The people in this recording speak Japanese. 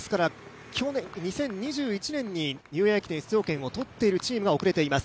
２０２１年のニューイヤー駅伝の出場権をとっているチームが遅れています。